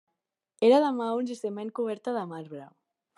Era de maons i ciment coberta de marbre.